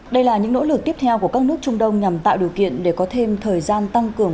đây là những nỗ lực tiếp theo của các nước trung đông nhằm tạo điều kiện để có thêm thời gian tăng cường